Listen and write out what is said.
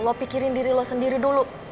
lo pikirin diri lo sendiri dulu